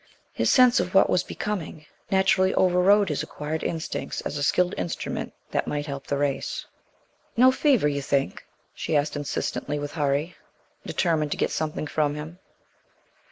His sense of what was becoming naturally overrode his acquired instincts as a skilled instrument that might help the race. "No fever, you think?" she asked insistently with hurry, determined to get something from him.